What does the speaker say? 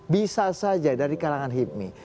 bisa saja dari kalangan hipmi